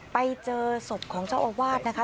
ไปเจอศพของเจ้าอาวาสนะคะ